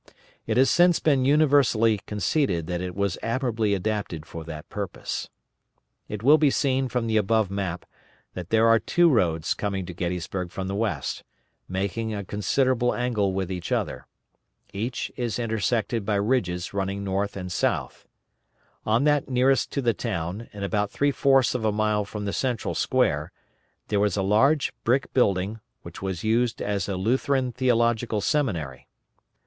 It has since been universally conceded that it was admirably adapted for that purpose. It will be seen from the above map, that there are two roads coming to Gettysburg from the west, making a considerable angle with each other. Each is intersected by ridges running north and south. On that nearest to the town, and about three fourths of a mile from the central square, there is a large brick building, which was used as a Lutheran Theological Seminary.